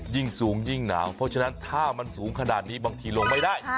ยิ่งสูงยิ่งหนาวเพราะฉะนั้นถ้ามันสูงขนาดนี้บางทีลงไม่ได้